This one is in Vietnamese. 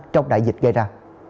trong đại dịch gây ra